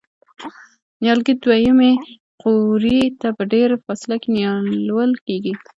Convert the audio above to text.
نیالګي دوه یمې قوریې ته په ډېره فاصله کې نیالول کېږي.